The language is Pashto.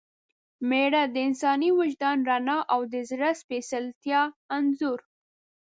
میره – د انساني وجدان رڼا او د زړه د سپېڅلتیا انځور